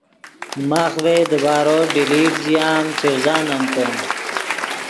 ماخ ڤئے دیبارو ڈیلیٹ ژیا ام چڤزانمتے